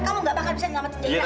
kamu tidak bisa selamatkan zairah